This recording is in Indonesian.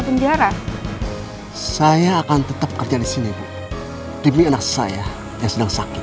penjara saya akan tetap kerja di sini bu demi anak saya yang sedang sakit